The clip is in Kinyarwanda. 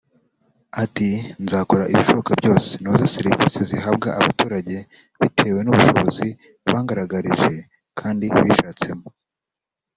Ati ”Nzakora ibishoboka byose noze serivise zihabwa abaturage bitewe n’ubu bushobozi bangaragarije kandi bishatsemo